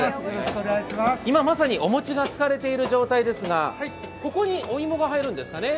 今、まさにお餅がつかれている状態ですが、ここにお芋が入るんですかね。